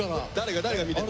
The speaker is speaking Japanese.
誰が見てるの？